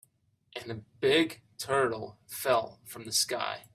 And a big turtle fell from the sky.